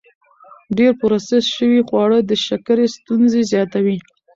ډېر پروسس شوي خواړه د شکرې ستونزې زیاتوي.